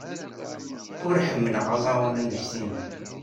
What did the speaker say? Ur ḥemmleɣ aẓawan anect-nnek.